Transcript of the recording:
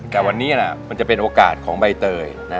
แต่วันนี้มันจะเป็นโอกาสของใบเตย